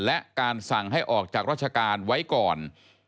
และการสั่งให้ออกจากราชการไว้ก่อน